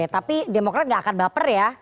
tapi demokrat gak akan baper ya